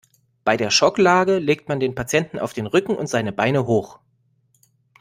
Bei der Schocklage legt man den Patienten auf den Rücken und seine Beine hoch.